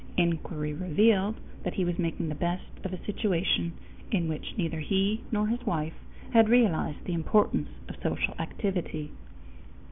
Inquiry revealed that he was making the best of a situation in which neither he nor his wife had realized the importance of social activity.